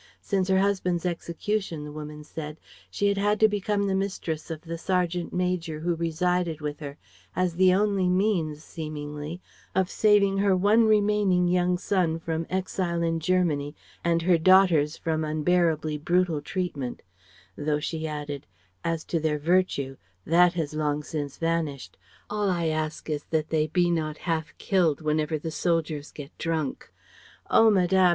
Since her husband's execution, the woman said, she had had to become the mistress of the sergeant major who resided with her as the only means, seemingly, of saving her one remaining young son from exile in Germany and her daughters from unbearably brutal treatment; though she added, "As to their virtue, that has long since vanished; all I ask is that they be not half killed whenever the soldiers get drunk. Oh Madame!